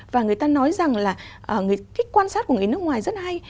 và người ta nói rằng là cái quan sát của người nước ngoài rất hay